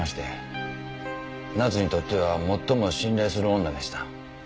奈津にとっては最も信頼する女でした。